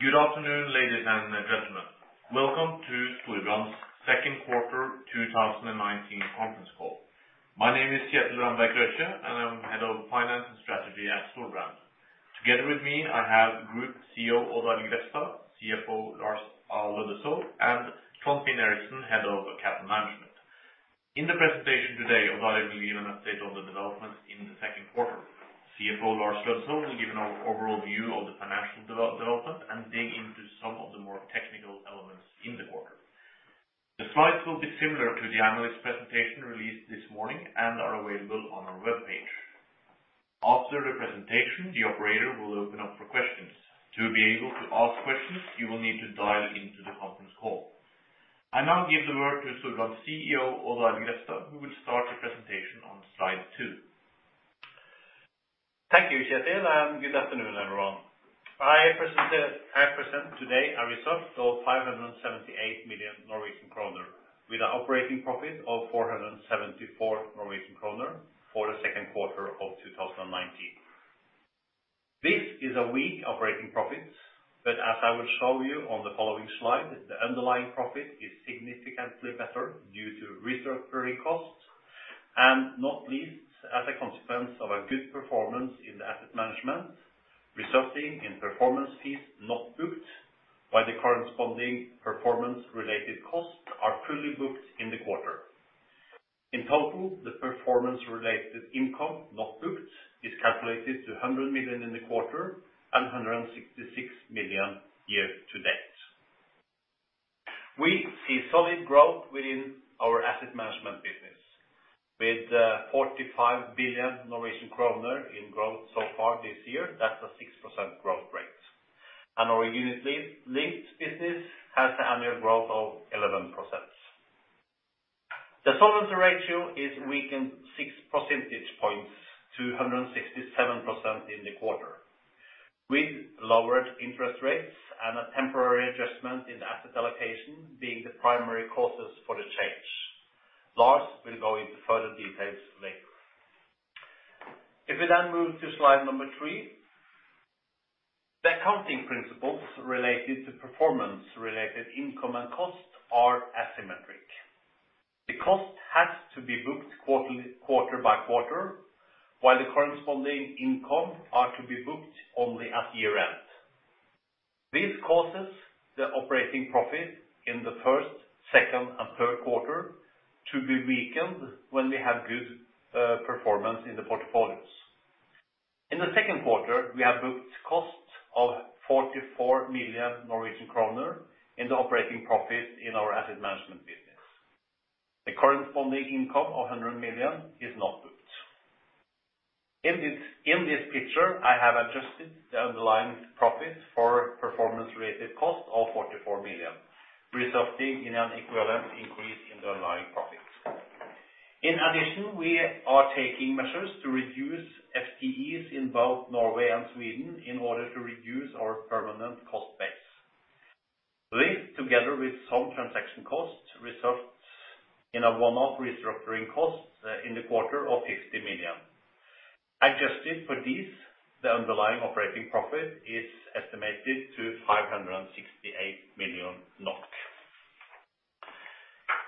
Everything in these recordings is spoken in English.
Good afternoon, ladies and gentlemen. Welcome to Storebrand's second quarter 2019 conference call. My name is Kjetil Ramberg Krøkje, and I'm Head of Finance and Strategy at Storebrand. Together with me, I have Group CEO, Odd Arild Grefstad, CFO Lars Aasulv Løddesøl, and Trond Finn Eriksen, Head of Capital Management. In the presentation today, Odd Arild will give an update on the developments in the second quarter. CFO Lars Aasulv Løddesøl will give an overall view of the financial development and dig into some of the more technical elements in the quarter. The slides will be similar to the analyst presentation released this morning and are available on our webpage. After the presentation, the operator will open up for questions. To be able to ask questions, you will need to dial into the conference call. I now give the word to Storebrand's CEO, Odd Arild Grefstad, who will start the presentation on slide two. Thank you, Kjetil, and good afternoon, everyone. I present today a result of 578 million Norwegian kroner, with an operating profit of 474 million Norwegian kroner for the second quarter of 2019. This is a weak operating profit, but as I will show you on the following slide, the underlying profit is significantly better due to restructuring costs, and not least, as a consequence of a good performance in the asset management, resulting in performance fees not booked, while the corresponding performance-related costs are truly booked in the quarter. In total, the performance-related income not booked is calculated to 100 million in the quarter and 166 million year to date. We see solid growth within our asset management business, with, 45 billion Norwegian kroner in growth so far this year, that's a 6% growth rate. Our unit-linked business has an annual growth of 11%. The solvency ratio is weakened six percentage points to 167% in the quarter, with lowered interest rates and a temporary adjustment in the asset allocation being the primary causes for the change. Lars will go into further details later. If we then move to slide number three, the accounting principles related to performance-related income and costs are asymmetric. The cost has to be booked quarterly, quarter-by-quarter, while the corresponding income are to be booked only at year-end. This causes the operating profit in the first, second, and third quarter to be weakened when we have good performance in the portfolios. In the second quarter, we have booked costs of 44 million Norwegian kroner in the operating profit in our asset management business. The corresponding income of 100 million is not booked. In this, in this picture, I have adjusted the underlying profit for performance-related cost of 44 million, resulting in an equivalent increase in the underlying profit. In addition, we are taking measures to reduce FTEs in both Norway and Sweden in order to reduce our permanent cost base. This, together with some transaction costs, results in a one-off restructuring cost in the quarter of 60 million. Adjusted for these, the underlying operating profit is estimated to 568 million NOK.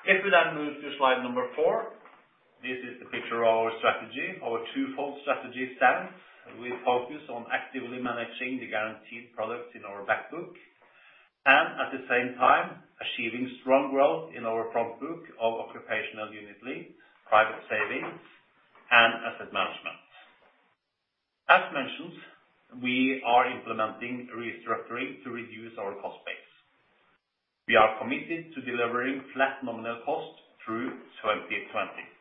If we then move to slide number 4, this is the picture of our strategy. Our twofold strategy stands. We focus on actively managing the guaranteed products in our back book, and at the same time, achieving strong growth in our front book of occupational unit links, private savings, and asset management. As mentioned, we are implementing restructuring to reduce our cost base. We are committed to delivering flat nominal costs through 2020.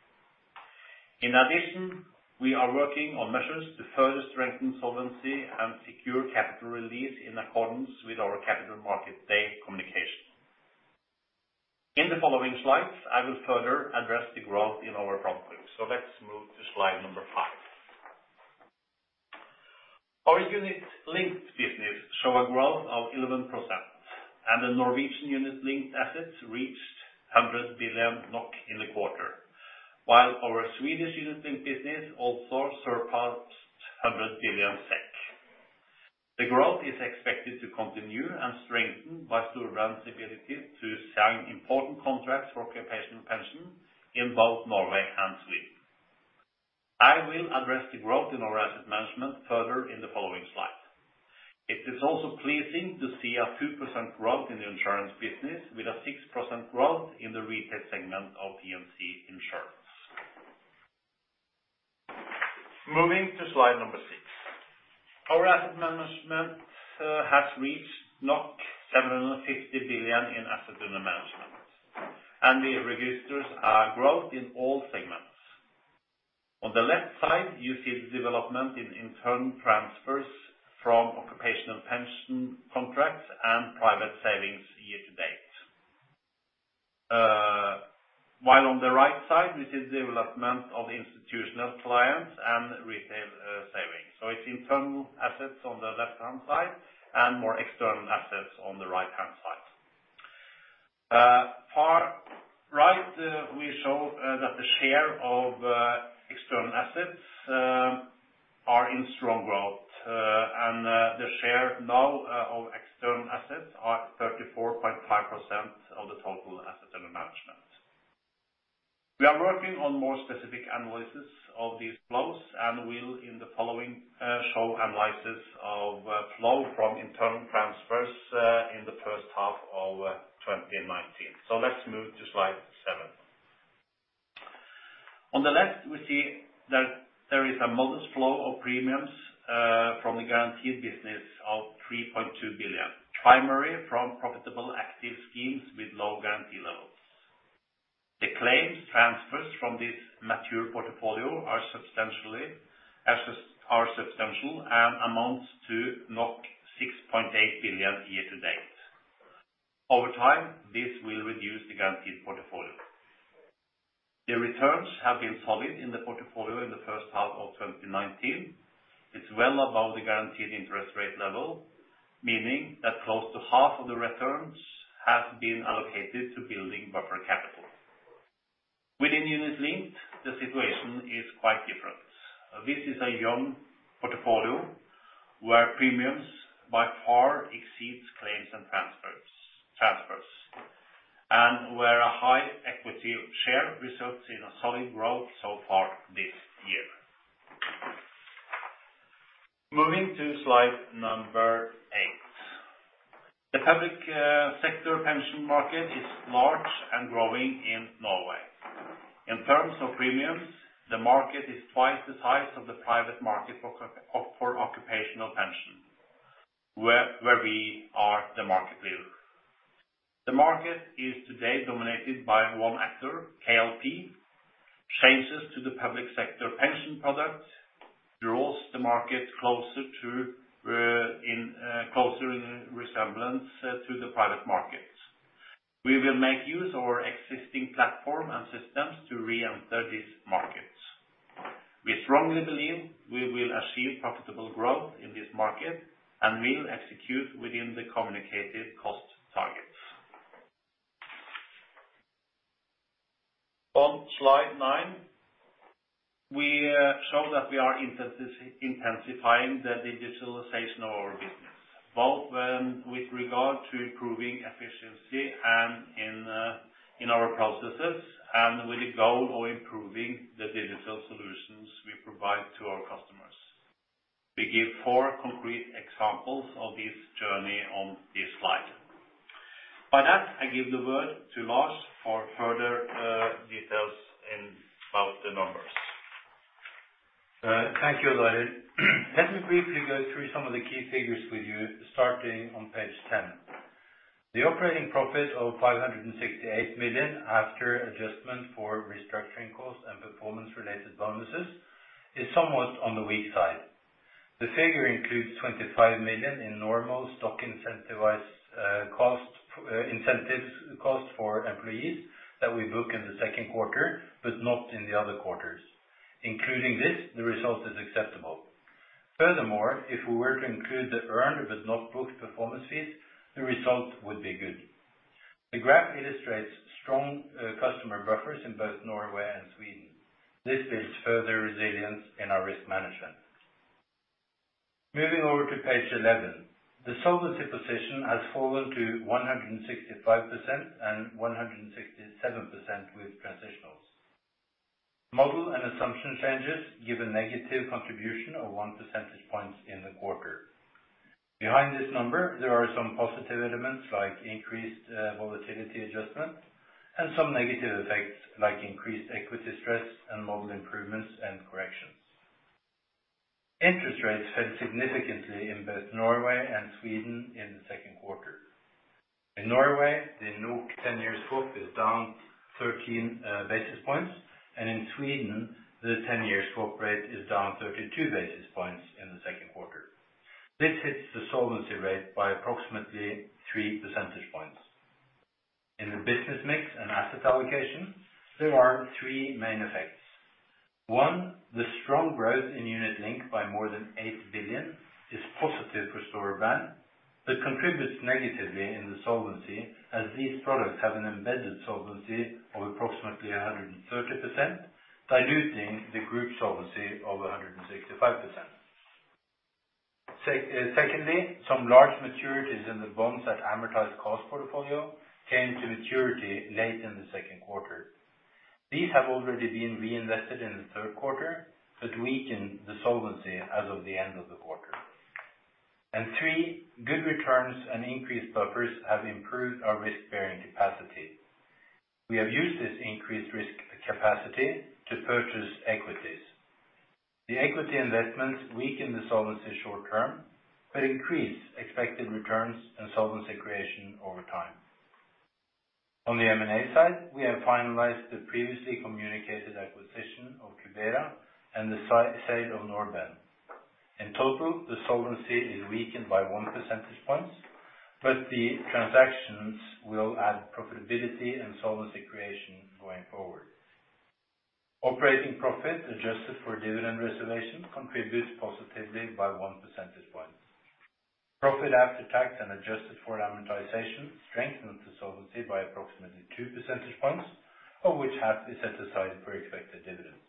In addition, we are working on measures to further strengthen solvency and secure capital release in accordance with our capital market day communication. In the following slides, I will further address the growth in our front book. So let's move to slide five. Our unit-linked business show a growth of 11%, and the Norwegian unit-linked assets reached 100 billion NOK in the quarter, while our Swedish unit-linked business also surpassed 100 billion SEK. The growth is expected to continue and strengthened by Storebrand's ability to sign important contracts for occupational pension in both Norway and Sweden. I will address the growth in our asset management further in the following slide. It is also pleasing to see a 2% growth in the insurance business with a 6% growth in the retail segment of P&C Insurance. Moving to slide number six. Our asset management has reached 750 billion in assets under management, and we registers our growth in all segments. On the left side, you see the development in internal transfers from occupational pension contracts and private savings year to date. While on the right side, this is the development of institutional clients and retail savings. So it's internal assets on the left-hand side and more external assets on the right-hand side. We show that the share of external assets are in strong growth, and the share now of external assets are 34.5% of the total assets under management. We are working on more specific analysis of these flows, and will, in the following, show analysis of flow from internal transfers in the first half of 2019. So let's move to slide seven. On the left, we see that there is a modest flow of premiums from the guaranteed business of 3.2 billion, primarily from profitable active schemes with low guarantee levels. The claims transfers from this mature portfolio are substantial and amount to 6.8 billion year to date. Over time, this will reduce the guaranteed portfolio. The returns have been solid in the portfolio in the first half of 2019. It's well above the guaranteed interest rate level, meaning that close to half of the returns have been allocated to building buffer capital. Within unit-linked, the situation is quite different. This is a young portfolio where premiums by far exceeds claims and transfers, and where a high equity share results in a solid growth so far this year. Moving to slide number eight. The public sector pension market is large and growing in Norway. In terms of premiums, the market is twice the size of the private market for occupational pension, where we are the market leader. The market is today dominated by one actor, KLP. Changes to the public sector pension product draws the market closer in resemblance to the private markets. We will make use of our existing platform and systems to reenter these markets. We strongly believe we will achieve profitable growth in this market and will execute within the communicated cost targets. On slide nine, we show that we are intensifying the digitalization of our business, both with regard to improving efficiency and in our processes, and with the goal of improving the digital solutions we provide to our customers. We give four concrete examples of this journey on this slide. By that, I give the word to Lars for further details about the numbers. Thank you, Odd Arild. Let me briefly go through some of the key figures with you, starting on page 10. The operating profit of 568 million, after adjustment for restructuring costs and performance-related bonuses, is somewhat on the weak side. The figure includes 25 million in normal stock incentivized cost, incentives cost for employees that we book in the second quarter, but not in the other quarters. Including this, the result is acceptable. Furthermore, if we were to include the earned but not booked performance fees, the result would be good. The graph illustrates strong customer buffers in both Norway and Sweden. This builds further resilience in our risk management. Moving over to page 11, the solvency position has fallen to 165%, and 167% with transitionals. Model and assumption changes give a negative contribution of 1 percentage points in the quarter. Behind this number, there are some positive elements, like increased volatility adjustment, and some negative effects, like increased equity stress and model improvements and corrections. Interest rates fell significantly in both Norway and Sweden in the second quarter. In Norway, the NOK 10-year swap is down 13 basis points, and in Sweden, the 10-year swap rate is down 32 basis points in the second quarter. This hits the solvency rate by approximately 3 percentage points. In the business mix and asset allocation, there are three main effects. One, the strong growth in unit-linked by more than 8 billion is positive for Storebrand, but contributes negatively in the solvency, as these products have an embedded solvency of approximately 130%, diluting the group solvency of 165%. Secondly, some large maturities in the bonds at amortized cost portfolio came to maturity late in the second quarter. These have already been reinvested in the third quarter, but weaken the solvency as of the end of the quarter. Three, good returns and increased buffers have improved our risk-bearing capacity. We have used this increased risk capacity to purchase equities. The equity investments weaken the solvency short term, but increase expected returns and solvency creation over time. On the M&A side, we have finalized the previously communicated acquisition of Cubera and the sale of Nordben. In total, the solvency is weakened by one percentage point, but the transactions will add profitability and solvency creation going forward. Operating profit, adjusted for dividend reservation, contributes positively by one percentage point. Profit after tax and adjusted for amortization strengthened the solvency by approximately 2 percentage points, of which half is set aside for expected dividends.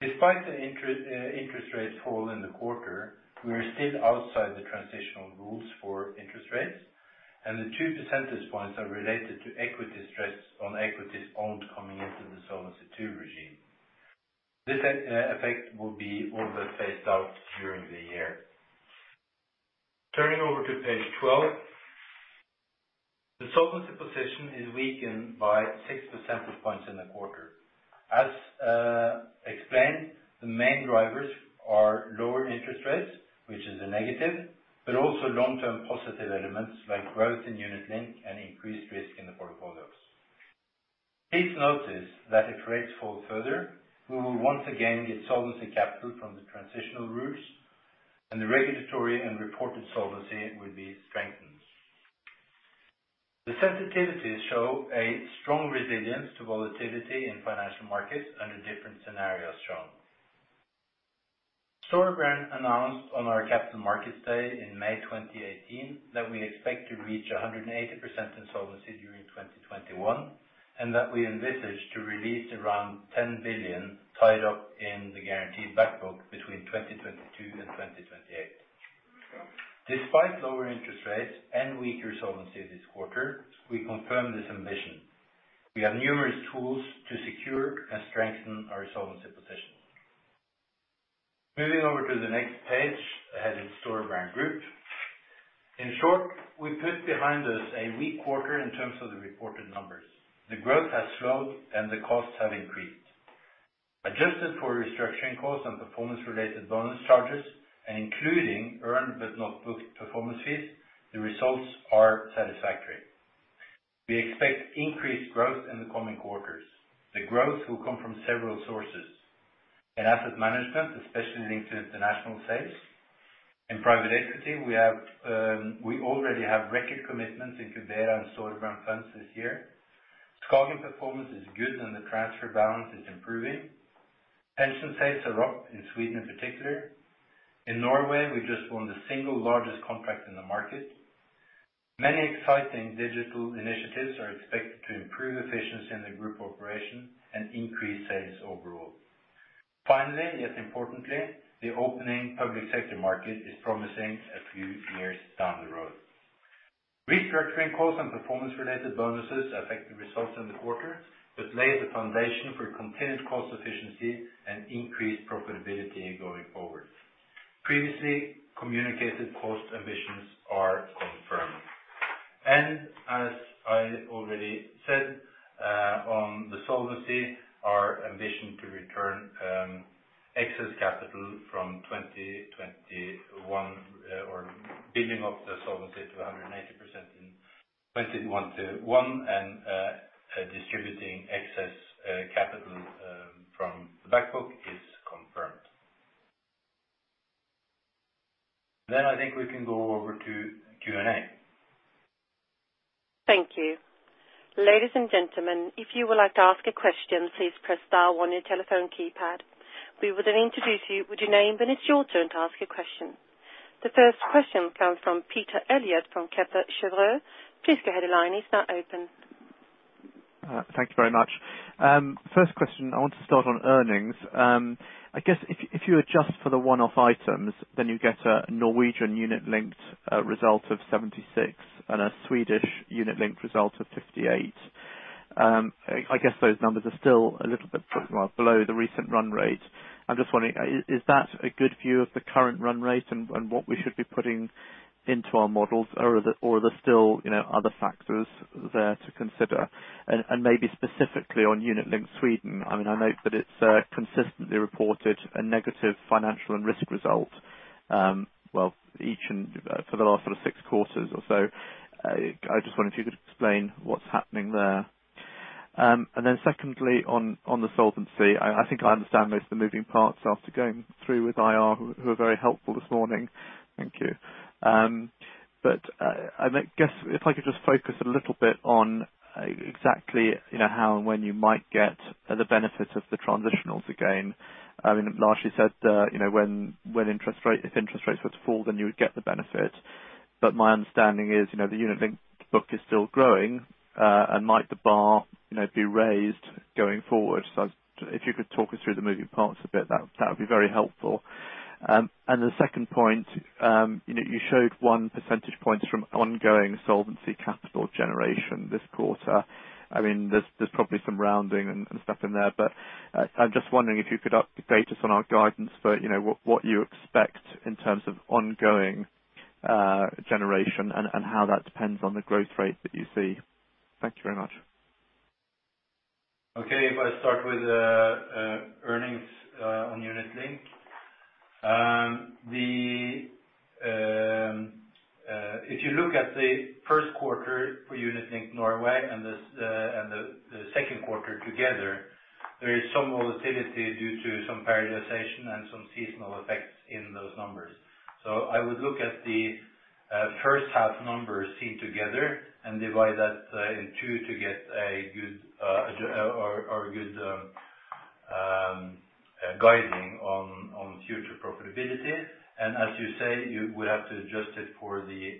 Despite the interest rates fall in the quarter, we are still outside the transitional rules for interest rates, and the 2 percentage points are related to equity stress on equities owned coming into the Solvency II regime. This effect will be over phased out during the year. Turning over to page 12, the solvency position is weakened by 6 percentage points in the quarter. As explained, the main drivers are lower interest rates, which is a negative, but also long-term positive elements like growth in unit-linked and increased risk in the portfolios. Please notice that if rates fall further, we will once again get solvency capital from the transitional rules, and the regulatory and reported solvency will be strengthened. The sensitivities show a strong resilience to volatility in financial markets under different scenarios shown. Storebrand announced on our Capital Markets Day in May 2018 that we expect to reach 180% in solvency during 2021, and that we envisage to release around 10 billion tied up in the guaranteed back book between 2022 and 2028. Despite lower interest rates and weaker solvency this quarter, we confirm this ambition. We have numerous tools to secure and strengthen our solvency position. Moving over to the next page, ahead in Storebrand Group. In short, we put behind us a weak quarter in terms of the reported numbers. The growth has slowed, and the costs have increased. Adjusted for restructuring costs and performance-related bonus charges, and including earned but not booked performance fees, the results are satisfactory. We expect increased growth in the coming quarters. The growth will come from several sources. In asset management, especially linked to international sales. In private equity, we have, we already have record commitments in Cubera and Storebrand funds this year. SKAGEN performance is good, and the transfer balance is improving. Pension sales are up in Sweden in particular. In Norway, we just won the single largest contract in the market. Many exciting digital initiatives are expected to improve efficiency in the group operation and increase sales overall. Finally, yet importantly, the opening public sector market is promising a few years down the road. Restructuring costs and performance-related bonuses affect the results in the quarter, but lay the foundation for continued cost efficiency and increased profitability going forward. Previously communicated cost ambitions are confirmed. As I already said, on the solvency, our ambition to return excess capital from 2021, or building up the solvency to 180% in 2021, and distributing excess capital from the back book is confirmed. I think we can go over to Q&A. Thank you. Ladies and gentlemen, if you would like to ask a question, please press star one on your telephone keypad. We will then introduce you with your name, then it's your turn to ask a question. The first question comes from Peter Eliot from Kepler Cheuvreux. Please go ahead, line is now open. Thank you very much. First question, I want to start on earnings. I guess if, if you adjust for the one-off items, then you get a Norwegian unit-linked result of 76 and a Swedish Unit Link result of 58. I guess those numbers are still a little bit below the recent run rate. I'm just wondering, is that a good view of the current run rate and, and what we should be putting into our models? Or are there still, you know, other factors there to consider? And, and maybe specifically on Unit Link Sweden, I mean, I note that it's consistently reported a negative financial and risk result, well, each and for the last sort of six quarters or so. I just wondered if you could explain what's happening there. And then secondly, on the solvency, I think I understand most of the moving parts after going through with IR, who are very helpful this morning. Thank you. But I guess if I could just focus a little bit on exactly, you know, how and when you might get the benefits of the transitionals again. I mean, largely said, you know, when interest rates, if interest rates were to fall, then you would get the benefit. But my understanding is, you know, the unit-linked book is still growing, and might the bar, you know, be raised going forward? So if you could talk us through the moving parts a bit, that would be very helpful. And the second point, you know, you showed 1 percentage point from ongoing solvency capital generation this quarter. I mean, there's probably some rounding and stuff in there, but I'm just wondering if you could update us on our guidance for, you know, what you expect in terms of ongoing generation and how that depends on the growth rate that you see. Thank you very much. Okay. If I start with earnings on unit-linked. If you look at the first quarter for Unit Link Norway and the second quarter together, there is some volatility due to some prioritization and some seasonal effects in those numbers. So I would look at the first half numbers seen together and divide that in two to get a good guiding on future profitability. And as you say, you would have to adjust it for the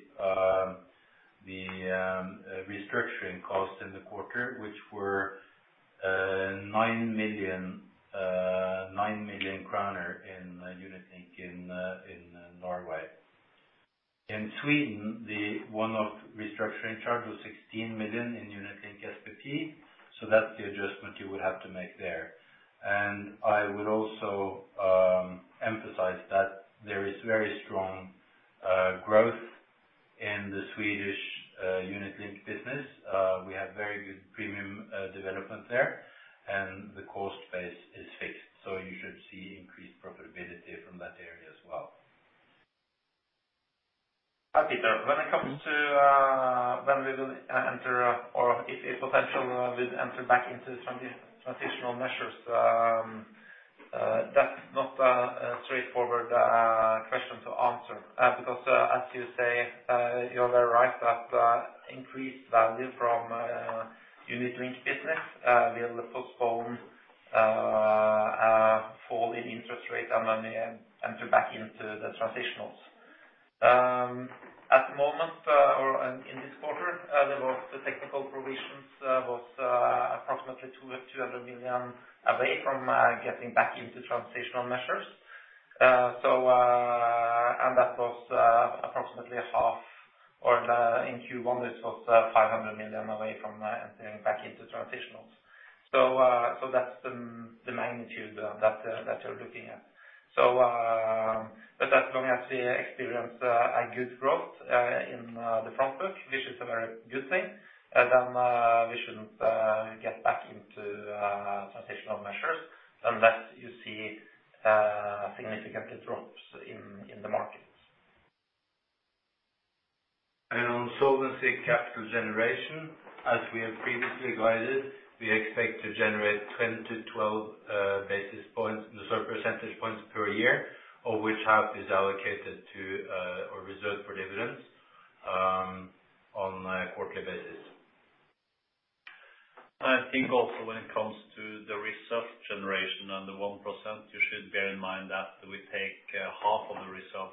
restructuring costs in the quarter, which were 9 million in Unit Link in Norway. In Sweden, the one-off restructuring charge was 16 million in Unit Link SPP, so that's the adjustment you would have to make there. I would also emphasize that there is very strong growth in the Swedish Unit Link business. We have very good premium development there, and the cost base is fixed, so you should see increased profitability from that area as well. Hi, Peter. When it comes to when we will enter or if a potential we enter back into some transitional measures, that's not a straightforward question to answer. Because as you say, you are very right that increased value from unit-linked business will postpone a fall in interest rate and money and enter back into the transitionals. At the moment or in this quarter, there were the technical provisions was approximately 200 million away from getting back into transitional measures. So and that was approximately a half or the, in Q1, it was 500 million away from entering back into transitionals. So that's the magnitude that you're looking at. So, but as long as we experience a good growth in the front book, which is a very good thing, then we shouldn't get back into transitional measures unless you see significant drops in the markets. On solvency capital generation, as we have previously guided, we expect to generate 10-12, basis points, sorry, percentage points per year, of which half is allocated to, or reserved for dividends, on a quarterly basis. I think also when it comes to the reserve generation and the 1%, you should bear in mind that we take, half of the result,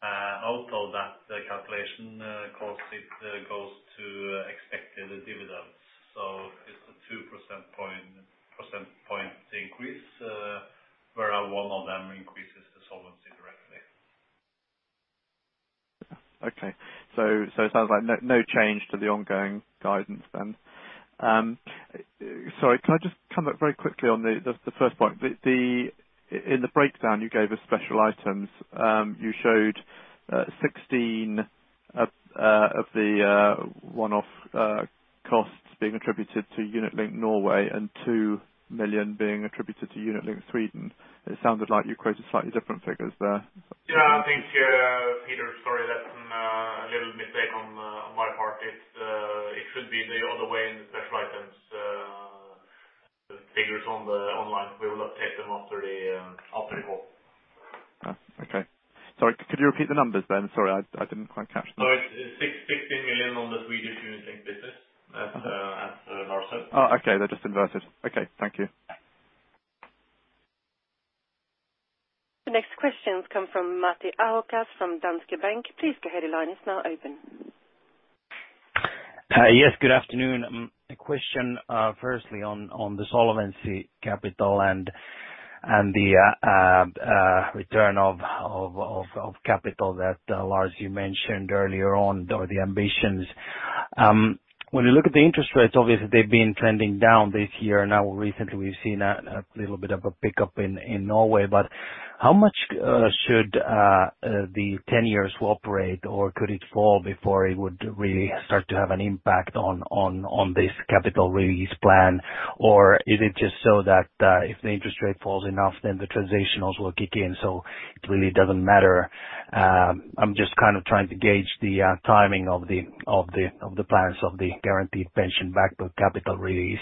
out of that calculation, because it goes to expected dividends. So it's a two percentage point, percentage point increase, where one of them increases the solvency directly. Okay. It sounds like no change to the ongoing guidance then. Sorry, can I just come back very quickly on the first point? In the breakdown you gave us special items, you showed 16 of the one-off costs being attributed to Unit Link Norway, and 2 million being attributed to Unit Link Sweden. It sounded like you quoted slightly different figures there. Yeah, I think, Peter, sorry, that's a little mistake on my part. It should be the other way in the special items, the figures online. We will update them after the call. Oh, okay. Sorry, could you repeat the numbers then? Sorry, I, I didn't quite catch them. Sorry. It's 616 million on the Swedish Unit Link business, Lars said. Oh, okay. They're just inverted. Okay. Thank you. The next questions come from Matti Ahokas from Danske Bank. Please go ahead, the line is now open. Yes, good afternoon. A question, firstly on the solvency capital and the return of capital that Lars, you mentioned earlier on, or the ambitions. When you look at the interest rates, obviously, they've been trending down this year, now recently, we've seen a little bit of a pickup in Norway, but how much should the 10-year swap rate, or could it fall before it would really start to have an impact on this capital release plan? Or is it just so that if the interest rate falls enough, then the transitionals will kick in, so it really doesn't matter? I'm just kind of trying to gauge the timing of the plans of the guaranteed pension back book capital release.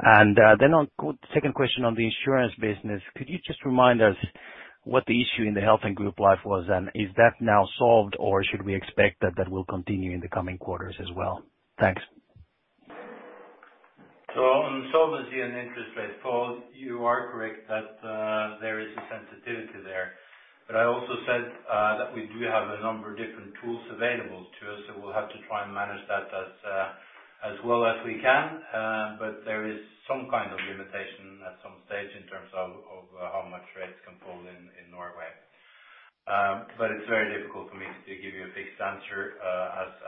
Then on the second question on the insurance business, could you just remind us what the issue in the health and group life was, and is that now solved, or should we expect that that will continue in the coming quarters as well? Thanks. So on solvency and interest rate pulled, you are correct that there is a sensitivity there. But I also said that we do have a number of different tools available to us, so we'll have to try and manage that as well as we can. But there is some kind of limitation at some stage in terms of how much rates can fall in Norway. But it's very difficult for me to give you a fixed answer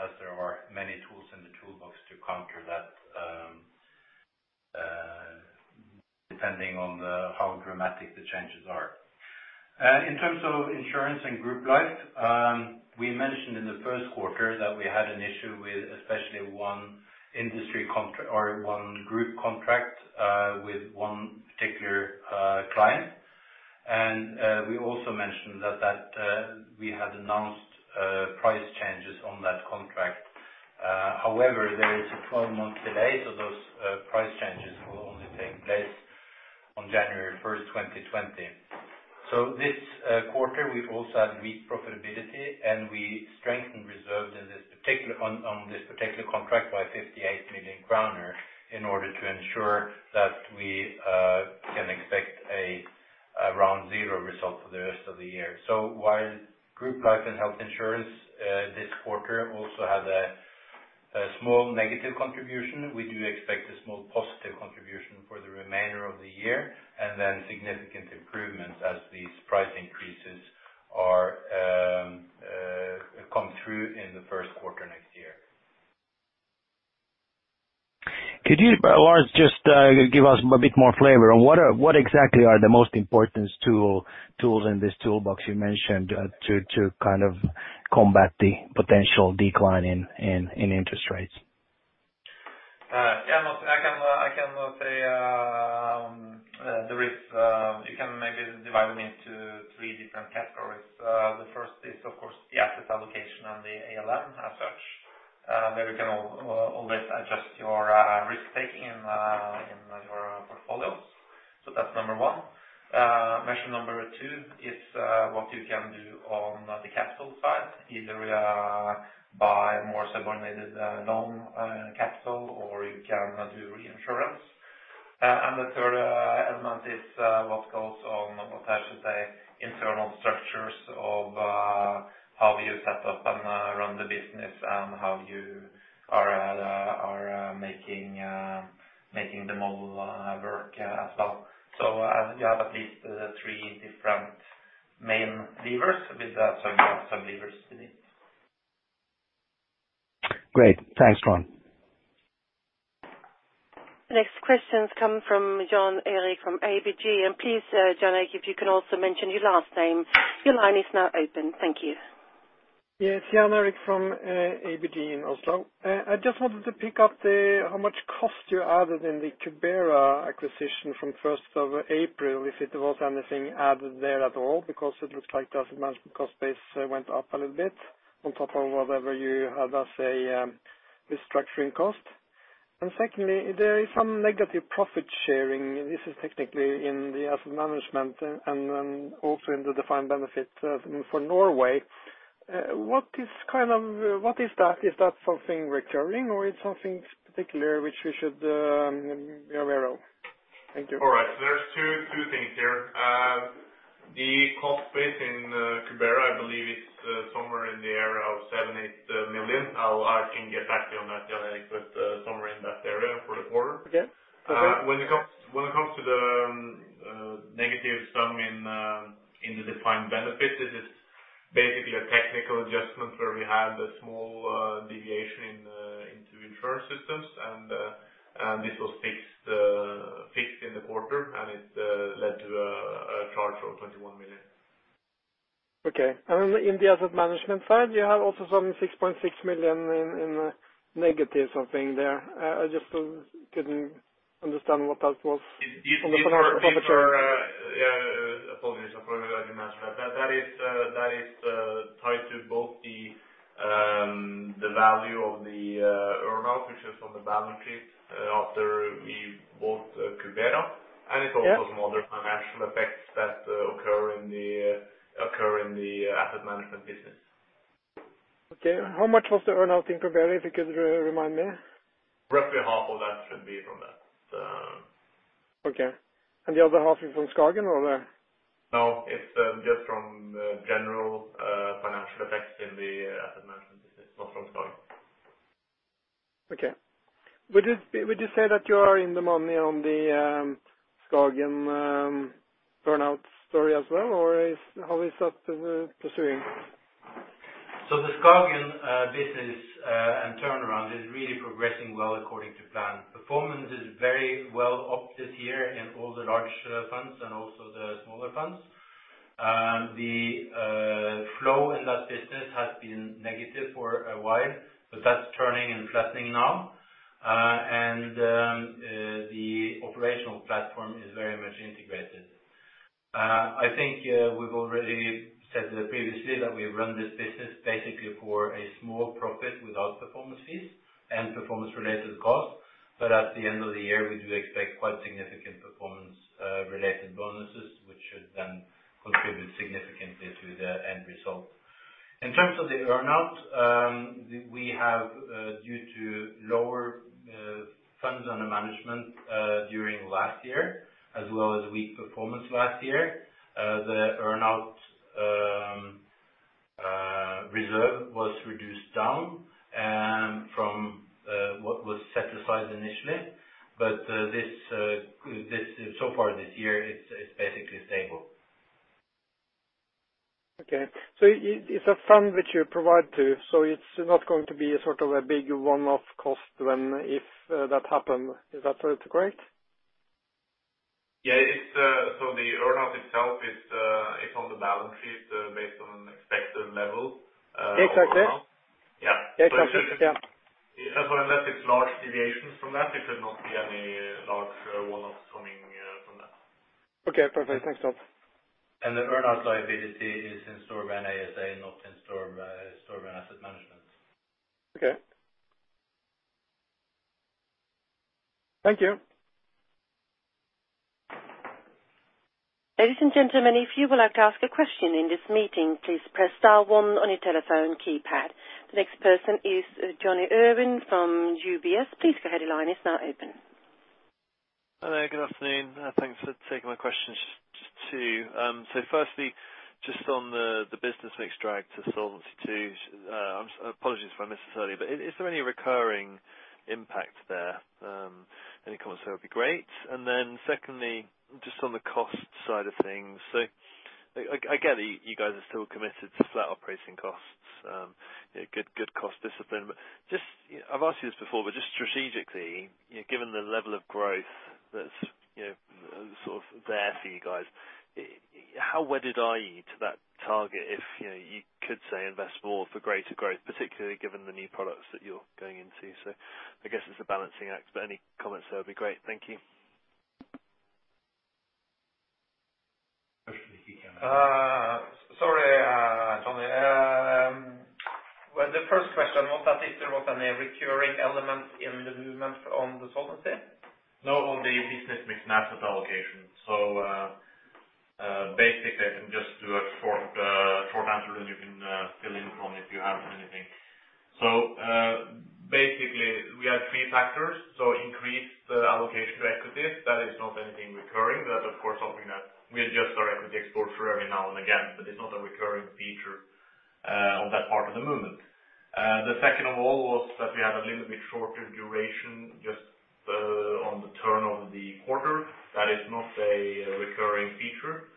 as there are many tools in the toolbox to counter that depending on how dramatic the changes are. In terms of insurance and group life, we mentioned in the first quarter that we had an issue with especially one industry contract or one group contract with one particular client. We also mentioned that we had announced price changes on that contract. However, there is a 12-month delay, so those price changes will only take place on January 1, 2020. So this quarter, we've also had weak profitability, and we strengthened reserves in this particular, on this particular contract by 58 million kroner, in order to ensure that we can expect around zero result for the rest of the year. So while group life and health insurance this quarter also has a small negative contribution, we do expect a small positive contribution for the remainder of the year, and then significant improvements as these price increases come through in the first quarter next year. Could you, Lars, just give us a bit more flavor on what exactly are the most important tools in this toolbox you mentioned to kind of combat the potential decline in interest rates? Yeah, no, I can say you can maybe divide them into three different categories. The first is, of course, the asset allocation on the ALM as such, where you can always adjust your risk taking in your portfolios. So that's number one. Measure number two is what you can do on the capital side, either buy more subordinated loan capital, or you can do reinsurance. And the third element is what goes on, what I should say, internal structures of how you set up and run the business, and how you are making the model work as well. So you have at least three different main levers with that, so you have some levers in it. Great. Thanks, Lars. The next questions come from Jan Erik from ABG, and please, Jan Erik, if you can also mention your last name. Your line is now open. Thank you. Yes, Jan Erik from ABG in Oslo. I just wanted to pick up the, how much cost you added in the Cubera acquisition from first of April, if it was anything added there at all, because it looks like the asset management cost base went up a little bit on top of whatever you had as a, restructuring cost. And secondly, there is some negative profit sharing, and this is technically in the asset management and then also in the Defined benefit for Norway. What is kind of, what is that? Is that something recurring, or it's something particular which we should be aware of? Thank you. All right. So there's two things here. The cost base in Cubera, I believe, is somewhere in the area of 7 million-8 million. I can get back to you on that, Jan Erik, but somewhere in that area for the quarter. Okay. When it comes to the negative sum in the Defined benefit, this is basically a technical adjustment where we had a small deviation into insurance systems, and this was fixed in the quarter, and it led to a charge for 21 million. Okay. In the asset management side, you have also some 6.6 million in negatives are being there. I just couldn't understand what that was. These are... Yeah, apologies, I probably already mentioned that. That is tied to both the value of the earn-out, which is on the balance sheet, after we bought Cubera. Yeah. It's also some other financial effects that occur in the asset management business. Okay. How much was the earn-out in Cubera, if you could remind me? Roughly half of that should be from that. Okay. And the other half is from SKAGEN, or where? No, it's just from general financial effects in the asset management business, not from SKAGEN. Okay. Would you say that you are in the money on the SKAGEN buyout story as well, or how is that progressing? So the SKAGEN business and turnaround is really progressing well according to plan. Performance is very well up this year in all the large funds and also the smaller funds. The flow in that business has been negative for a while, but that's turning and flattening now. And the operational platform is very much integrated. I think we've already said previously that we run this business basically for a small profit without performance fees and performance-related costs. But at the end of the year, we do expect quite significant performance related bonuses, which should then contribute significantly to the end result. In terms of the earn-out, we have due to lower funds under management during last year, as well as weak performance last year, the earn-out reserve was reduced down from what was set aside initially. But this so far this year, it's basically stable. Okay. So it, it's a fund which you provide to, so it's not going to be a sort of a big one-off cost when, if, that happened. Is that correct? Yeah, it's so the earn-out itself is on the balance sheet based on expected level, Exactly. Yeah. Exactly, yeah. As well, unless it's large deviations from that, it should not be any large one-off coming from that. Okay, perfect. Thanks, Jan. The earn-out liability is in Storebrand ASA, not in Storebrand Asset Management. Okay. Thank you! Ladies and gentlemen, if you would like to ask a question in this meeting, please press star one on your telephone keypad. The next person is Jonny Urwin from UBS. Please go ahead. Your line is now open. Hello, good afternoon. Thanks for taking my questions too. So firstly, just on the business mix drag to Solvency II, I'm sorry, apologies if I missed this earlier, but is there any recurring impact there? Any comments there would be great. And then secondly, just on the cost side of things. So I get that you guys are still committed to flat operating costs, good cost discipline. But just... I've asked you this before, but just strategically, you know, given the level of growth that's, you know, sort of there for you guys, how wedded are you to that target? If you know, you could say invest more for greater growth, particularly given the new products that you're going into. So I guess it's a balancing act, but any comments there would be great. Thank you. ... Sorry, Jonny. Well, the first question was that if there was any recurring element in the movement on the solvency? No, on the business mix, asset allocation. So, basically, I can just do a short answer, and you can fill in from, if you have anything. So, basically, we had three factors. So increased allocation to equities, that is not anything recurring. That is, of course, something that we adjust our equity exposure every now and again, but it's not a recurring feature on that part of the movement. The second of all was that we had a little bit shorter duration, just on the turn of the quarter. That is not a recurring feature.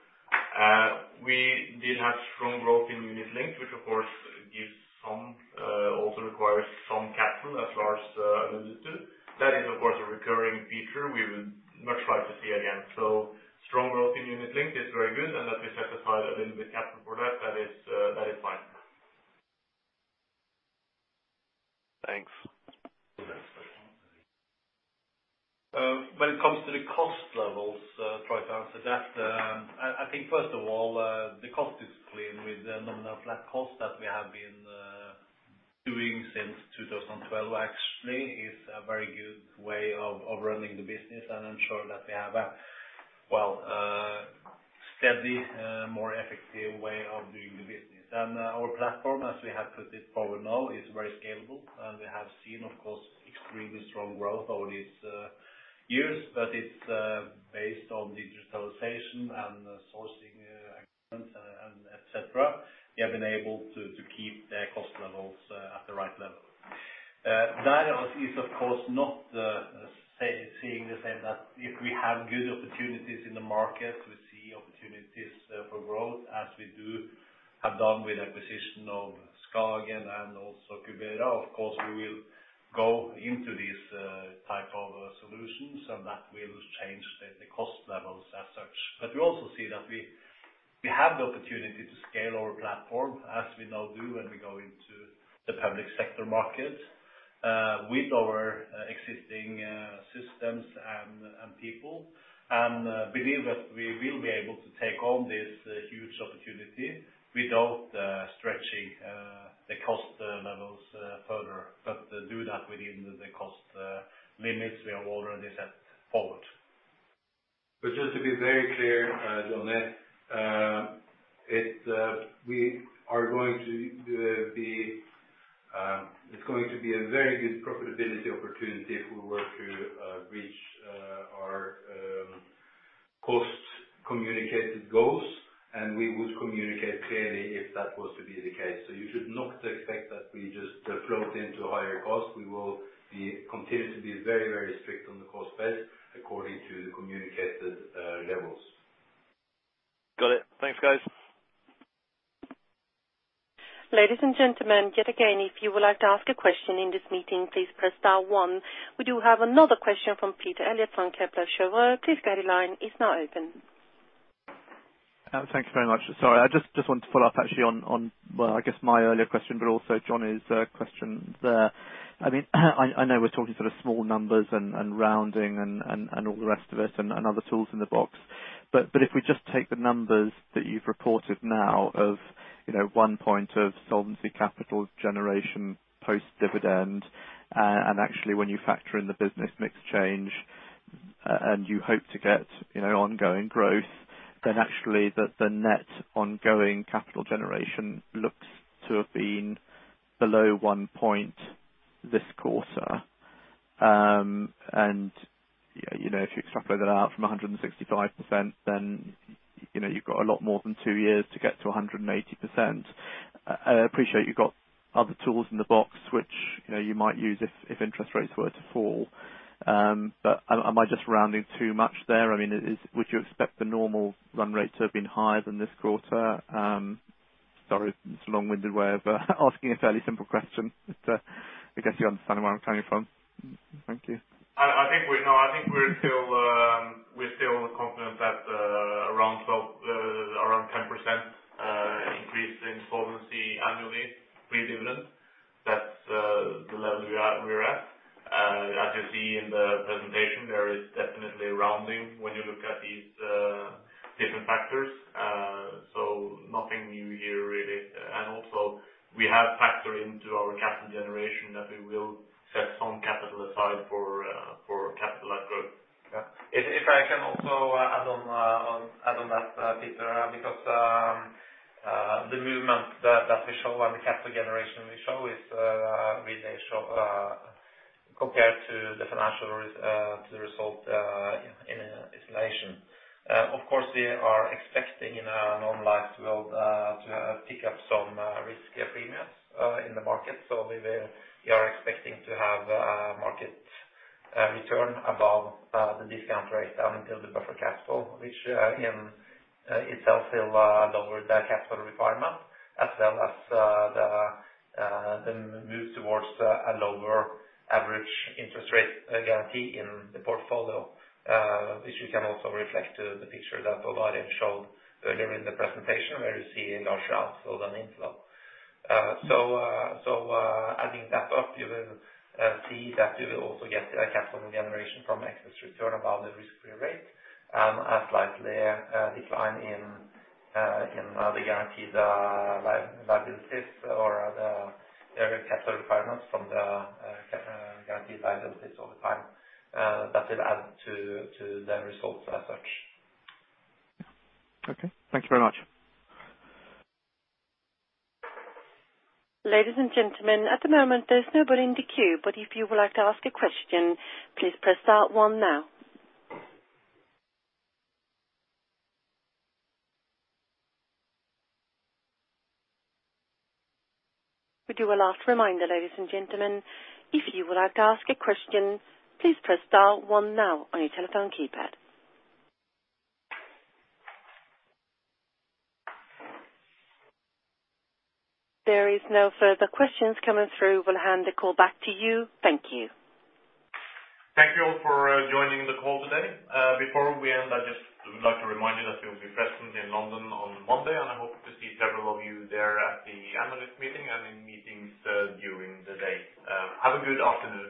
We did have strong growth in unit-linked, which, of course, gives some also requires some capital, as Lars alluded to. That is, of course, a recurring feature we would much like to see again. So strong growth in unit-linked is very good, and that we set aside a little bit capital for that, that is, that is fine. Thanks. When it comes to the cost levels, try to answer that. I think first of all, the cost is clean with the nominal flat cost that we have been doing since 2012, actually, is a very good way of running the business. And I'm sure that we have a well steady more effective way of doing the business. And our platform, as we have put it forward now, is very scalable. And we have seen, of course, extremely strong growth over these years. But it's based on digitalization and sourcing actions, and et cetera. We have been able to keep the cost levels at the right level. That is, of course, not, say, seeing the same, that if we have good opportunities in the market, we see opportunities, for growth, as we do, have done with acquisition of SKAGEN and also Cubera. Of course, we will go into these, type of solutions, and that will change the, the cost levels as such. But we also see that we, we have the opportunity to scale our platform, as we now do when we go into the public sector market, with our, existing, systems and, and people. And, believe that we will be able to take on this, huge opportunity without, stretching, the cost, levels, further, but do that within the cost, limits we have already set forward. But just to be very clear, Jonny, we are going to be. It's going to be a very good profitability opportunity if we were to reach our cost communicated goals, and we would communicate clearly if that was to be the case. So you should not expect that we just float into higher costs. We will continue to be very, very strict on the cost base according to the communicated levels. Got it. Thanks, guys. Ladies and gentlemen, yet again, if you would like to ask a question in this meeting, please press star one. We do have another question from Peter Eliot from Kepler Cheuvreux. Please go ahead, your line is now open. Thank you very much. Sorry, I just wanted to follow up actually on, well, I guess, my earlier question, but also Jonny's question there. I mean, I know we're talking sort of small numbers and rounding and all the rest of it, and other tools in the box. But if we just take the numbers that you've reported now of, you know, one point of solvency, capital generation, post-dividend, and actually, when you factor in the business mix change, and you hope to get, you know, ongoing growth, then actually the net ongoing capital generation looks to have been below one point this quarter. And, you know, if you extrapolate that out from 165%, then, you know, you've got a lot more than two years to get to 180%. I appreciate you've got other tools in the box, which, you know, you might use if interest rates were to fall. But am I just rounding too much there? I mean, is... Would you expect the normal run rate to have been higher than this quarter? Sorry, it's a long-winded way of asking a fairly simple question. But I guess you understand where I'm coming from. Thank you. I think we're. No, I think we're still, we're still confident that around 12, around 10% increase in solvency annually, pre-dividend. That's the level we are, we're at. As you see in the presentation, there is definitely rounding when you look at these different factors. Nothing new here, really. And also we have factored into our capital generation that we will set some capital aside for for capital growth. Yeah. If I can also add on that, Peter, because the movement that we show and the capital generation we show is really shown compared to the financial risk to the result in isolation. Of course, we are expecting in a non-life world to pick up some risk premiums in the market. So we will—we are expecting to have market return above the discount rate down until the buffer capital, which in itself will lower the capital requirement, as well as the move towards a lower average interest rate guarantee in the portfolio. Which you can also reflect to the picture that Odd Arild showed earlier in the presentation, where you see larger outflow than inflow. So, adding that up, you will see that we will also get a capital generation from excess return about the risk-free rate, a slightly decline in the guaranteed liabilities or the capital requirements from the guaranteed liabilities over time. That will add to the results as such. Okay. Thank you very much. Ladies and gentlemen, at the moment, there's nobody in the queue, but if you would like to ask a question, please press star one now. We do a last reminder, ladies and gentlemen, if you would like to ask a question, please press star one now on your telephone keypad. There is no further questions coming through. We'll hand the call back to you. Thank you. Thank you all for joining the call today. Before we end, I just would like to remind you that we'll be present in London on Monday, and I hope to see several of you there at the Analyst Meeting and in meetings during the day. Have a good afternoon.